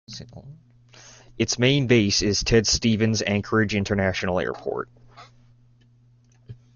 Its main base is Ted Stevens Anchorage International Airport.